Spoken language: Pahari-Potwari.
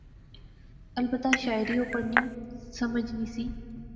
البتہ شاعری او پڑھنی، سمجھنی سی